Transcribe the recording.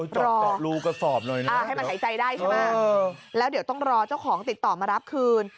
เจาะรูกระสอบหน่อยนะให้มันหายใจได้ใช่ไหมแล้วเดี๋ยวต้องรอเจ้าของติดต่อมารับคืน